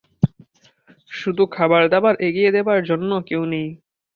শুধু খাবারদাবার এগিয়ে দেবার জন্যে কেউ নেই।